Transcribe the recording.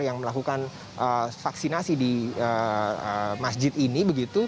yang melakukan vaksinasi di masjid ini